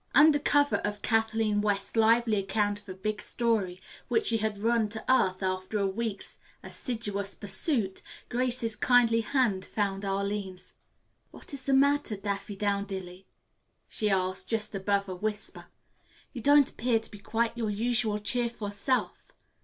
Under cover of Kathleen West's lively account of a big story which she had run to earth after a week's assiduous pursuit, Grace's kindly hand found Arline's. "What is the matter, Daffydowndilly?" she asked just above a whisper. "You don't appear to be quite your usual cheerful self."